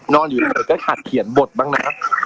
นอนอยู่เฉยก็ขาดเขียนบทบ้างนะ